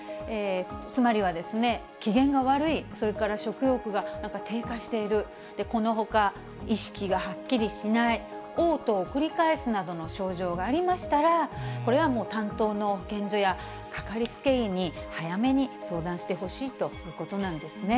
つまりはですね、機嫌が悪い、それから食欲がなんか低下している、このほか意識がはっきりしない、おう吐を繰り返すなどの症状がありましたら、これはもう担当の保健所や、かかりつけ医に早めに相談してほしいということなんですね。